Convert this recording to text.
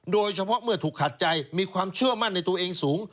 โดยเฉพาะเมื่อถูกขัดใจมีความเชื่อมั่นในตัวเองสูง